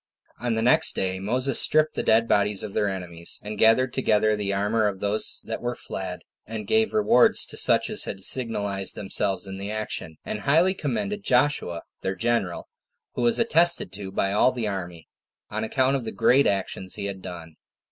5. On the next day, Moses stripped the dead bodies of their enemies, and gathered together the armor of those that were fled, and gave rewards to such as had signalized themselves in the action; and highly commended Joshua, their general, who was attested to by all the army, on account of the great actions he had done.